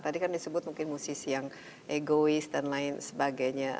tadi kan disebut mungkin musisi yang egois dan lain sebagainya